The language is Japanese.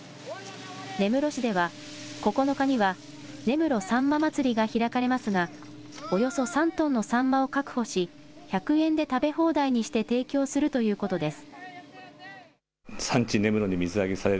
根室市では、９日には根室さんま祭りが開かれますが、およそ３トンのサンマを確保し、１００円で食べ放題にして提供するということです。